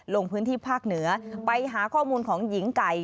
ลงพื้นที่ภาคเหนือไปหาข้อมูลของหญิงไก่